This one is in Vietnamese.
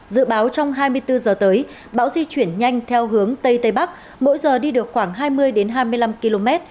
dự báo trong hai mươi bốn giờ tới bão di chuyển nhanh theo hướng tây tây bắc mỗi giờ đi được khoảng hai mươi hai mươi năm km